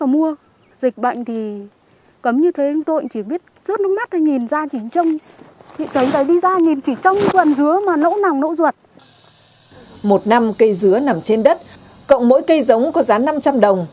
một năm cây dứa nằm trên đất cộng mỗi cây giống có giá năm trăm linh đồng